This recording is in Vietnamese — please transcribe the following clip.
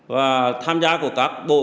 và tham gia của các bộ